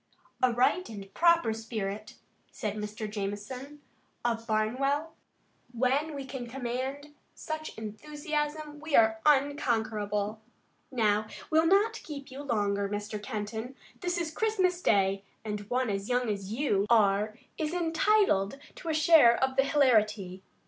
"A right and proper spirit," said Mr. Jamison, of Barnwell. "When we can command such enthusiasm we are unconquerable. Now, we'll not keep you longer, Mr. Kenton. This is Christmas Day, and one as young as you are is entitled to a share of the hilarity.